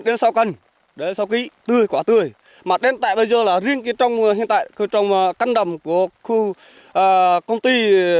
đến sáu cân đến sáu ký tươi quá tươi mà đến tại bây giờ là riêng trong căn đồng của công ty